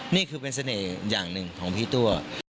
นี่คือเป็นเสน่ห์อย่างหนึ่งของพี่ตัว